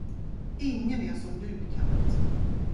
Ingen är som du, Kenneth!